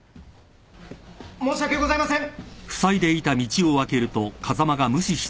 申し訳ございません。